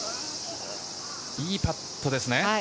いいパットですね。